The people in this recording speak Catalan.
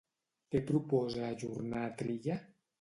Què proposa ajornar Trilla?